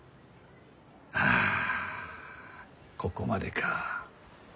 あここまでか。